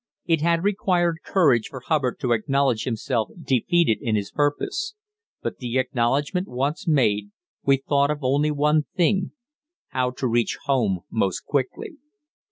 It had required courage for Hubbard to acknowledge himself defeated in his purpose, but the acknowledgment once made, we thought of only one thing how to reach home most quickly.